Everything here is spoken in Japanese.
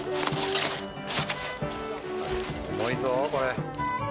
重いぞこれ。